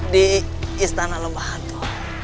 di istana lembah hantu